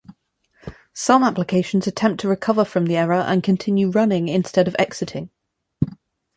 Some applications attempt to recover from the error and continue running instead of exiting.